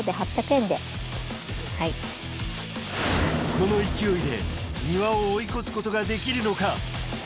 この勢いで丹羽を追い越すことができるのか？